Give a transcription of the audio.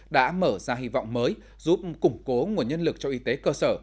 đã mở ra hy vọng mới giúp củng cố nguồn nhân lực cho y tế cơ sở